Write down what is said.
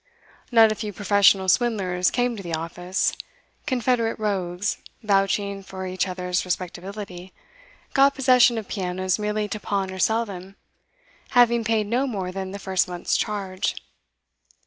Not a few professional swindlers came to the office; confederate rogues, vouching for each other's respectability, got possession of pianos merely to pawn or sell them, having paid no more than the first month's charge.